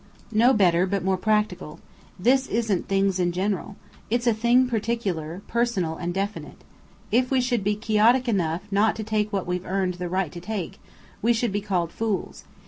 "No better, but more practical. This isn't 'things in general.' It's a thing particular, personal, and definite. If we should be quixotic enough not to take what we've earned the right to take, we should be called fools.